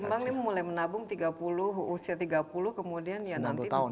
ketimbang ini mulai menabung tiga puluh usia tiga puluh kemudian ya nanti lima puluh tahun